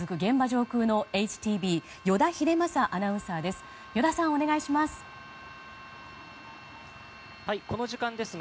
上空のＨＴＢ依田英将アナウンサーです。